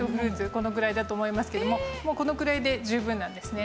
このぐらいだと思いますけどももうこのくらいで十分なんですね。